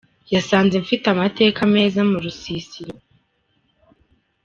Yasanze mfite amateka meza mu rusisiro.